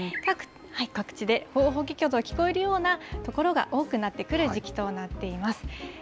各地で、ホーホケキョと聞こえるような所が多くなってくる時期となっています。